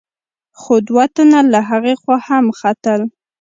خو دوه تنه له هغې خوا هم ختل.